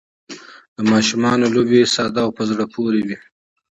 د ماشومانو لوبې ساده او په زړه پورې وي.